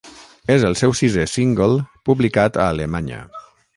És el seu sisè single publicat a Alemanya.